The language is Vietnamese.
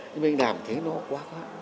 nhưng mà anh đàm thấy nó quá khá